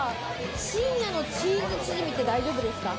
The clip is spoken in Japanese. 深夜のチーズチヂミって大丈夫ですか？